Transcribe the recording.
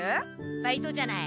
バイトじゃない。